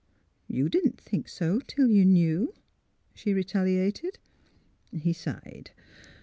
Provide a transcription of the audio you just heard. "" You didn't think so, till you knew," she re taliated. He sighed.